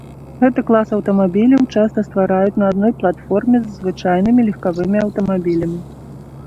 Гэты клас аўтамабіляў часта ствараюць на адной платформе з звычайнымі легкавымі аўтамабілямі.